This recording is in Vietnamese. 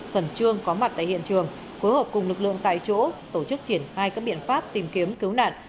khẩn trương có mặt tại hiện trường phối hợp cùng lực lượng tại chỗ tổ chức triển khai các biện pháp tìm kiếm cứu nạn